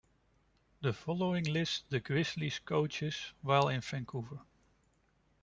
The following lists the Grizzlies coaches while in Vancouver.